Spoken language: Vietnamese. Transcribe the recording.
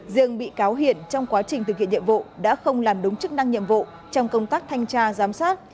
riêng bị cáo hiển trong quá trình thực hiện nhiệm vụ đã không làm đúng chức năng nhiệm vụ trong công tác thanh tra giám sát